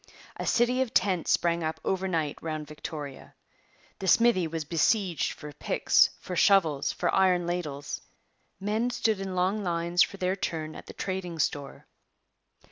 A city of tents sprang up overnight round Victoria. The smithy was besieged for picks, for shovels, for iron ladles. Men stood in long lines for their turn at the trading store.